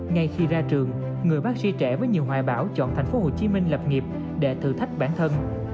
ngay khi ra trường người bác sĩ trẻ với nhiều hoài bảo chọn thành phố hồ chí minh lập nghiệp để thử thách bản thân